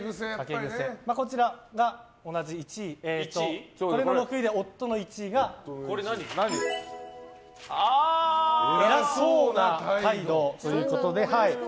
こちら妻の６位で夫の１位が偉そうな態度ということで。